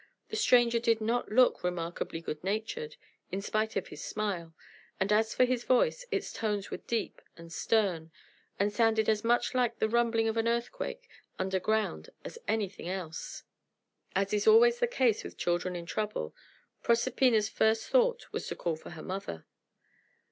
The stranger did not look remarkably good natured, in spite of his smile; and as for his voice, its tones were deep and stern, and sounded as much like the rumbling of an earthquake under ground as anything else. As is always the case with children in trouble, Proserpina's first thought was to call for her mother.